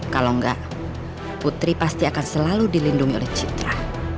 kalau enggak putri pasti akan selalu dilindungi oleh citra